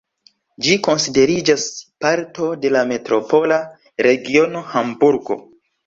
Ĝi konsideriĝas parto de la metropola regiono Hamburgo.